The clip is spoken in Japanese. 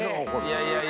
いやいや。